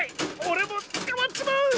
オレもつかまっちまう！